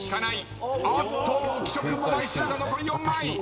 あっと浮所君も枚数が残り４枚。